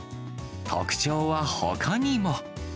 特徴はほかにも。